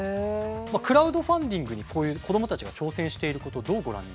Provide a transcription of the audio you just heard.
クラウドファンディングにこういう子どもたちが挑戦していることどうご覧になりますか？